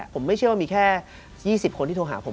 ผมไม่เชื่อว่ามีแค่๒๐คนที่โทรหาผม